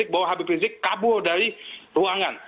bahwa hpb kabur dari ruangan